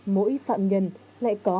mỗi phạm nhân lại còn